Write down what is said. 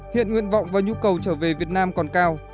hiện nguyện vọng và nhu cầu trở về việt nam còn cao